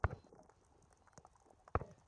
আর অল্প সংখ্যক ব্যতীত কেউ ঈমান আনেনি।